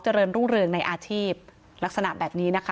ริมรุ่งเรืองในอาชีพลักษณะแบบนี้นะคะ